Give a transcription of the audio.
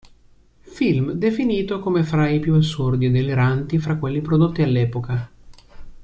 Film definito come fra i più assurdi e deliranti fra quelli prodotti all'epoca.